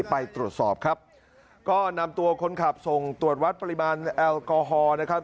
ไปตรวจสอบครับก็นำตัวคนขับส่งตรวจวัดปริมาณแอลกอฮอล์นะครับ